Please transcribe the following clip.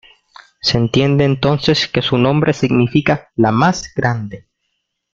Se entiende entonces, que su nombre significa "la más grande".